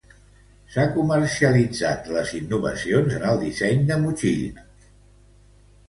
S'ha comercialitzat les innovacions en el disseny de motxilla.